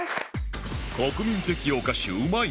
国民的お菓子うまい棒